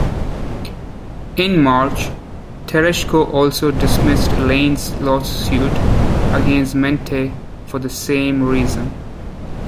In March, Tereshko also dismissed Lane's lawsuit against Mendte for the same reason.